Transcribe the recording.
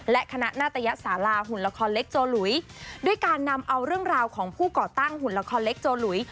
และคณะนาตยสาราหุ่นละครเล็กโจหลุยด้วยการนำเอาเรื่องราวของผู้ก่อตั้งหุ่นละครเล็กโจหลุย